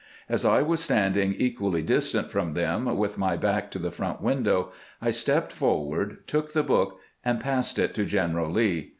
As I was standing equally dis tant from them, with my back to the front window, I stepped forward, took the book, and passed it to General Lee.